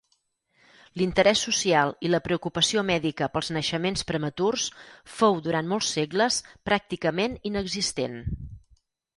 L'interès social i la preocupació mèdica pels naixements prematurs fou, durant molts segles, pràcticament inexistent.